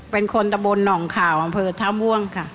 เป็นคนดบนนองข่าวล่างเผิดท่าวน์ว่งครับ